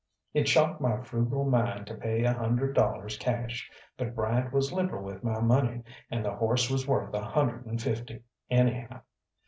It shocked my frugal mind to pay a hundred dollars cash, but Bryant was liberal with my money, and the horse was worth a hundred and fifty, anyhow.